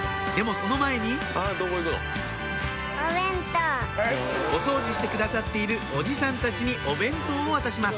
その前にお掃除してくださっているおじさんたちにお弁当を渡します